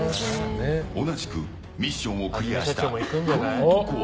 同じくミッションをクリアしたこの男は。